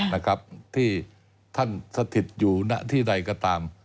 นะครับที่ท่านสถิตอยู่ณที่ใดก็ตาม